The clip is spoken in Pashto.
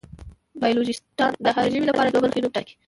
بایولوژېسټان د هر ژوي لپاره دوه برخې نوم ټاکي.